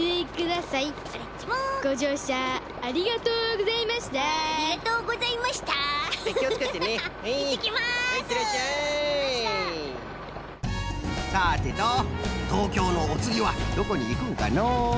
さてととうきょうのおつぎはどこにいくんかのう？